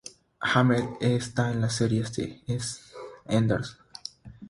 Ahmed en la serie "EastEnders".